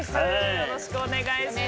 よろしくお願いします。